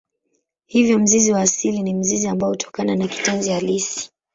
Hivyo mzizi wa asili ni mzizi ambao hutokana na kitenzi halisi.